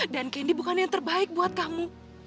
dan candy bukan yang terbaik buat kamu